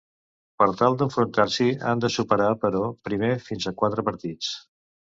Per tal d'enfrontar-s'hi, han de superar però primer fins a quatre partits.